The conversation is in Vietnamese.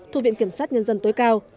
thu viện kiểm sát nhân dân tối cao